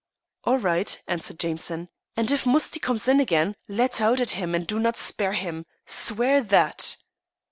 "All right," answered Jameson. "And if Musty comes in again, let out at him and do not spare him. Swear that."